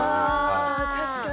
あ確かに。